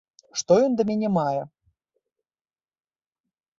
Што ён да мяне мае?